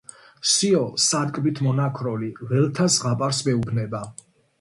სიო, სარკმლით მონაქროლი, ველთა ზღაპარს მეუბნება